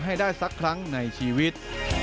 ให้ได้สักครั้งในชีวิต